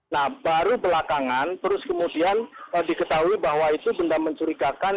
nah baru belakangan terus kemudian diketahui bahwa itu benda mencurigakan